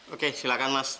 oke silakan mas